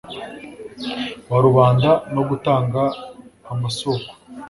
wa rubanda no gutanga amasoko